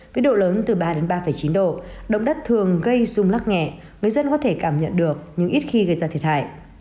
với độ lớn từ ba đến ba chín độ động đất thường gây rung lắc nhẹ người dân có thể cảm nhận được nhưng ít khi gây ra thiệt hại